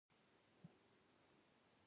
د مڼې خوراک د کولمو فعالیت ښه کوي.